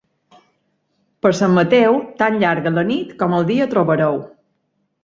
Per Sant Mateu, tan llarga la nit com el dia trobareu.